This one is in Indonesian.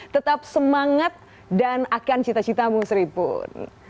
tetap semangat dan akan cita citamu seripun